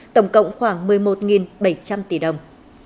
tổng cộng khoảng một mươi một bảy trăm linh tỷ đồng